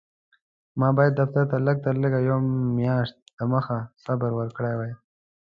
ما باید دفتر ته لږ تر لږه یوه میاشت دمخه خبر ورکړی وای.